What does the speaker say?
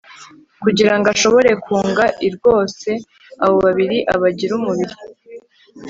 kugira ngo ashobore kunga l rwose abo babiri abagire umubiri